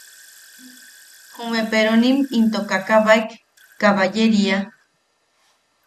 Jume peronim into kakabaek, kabayeria.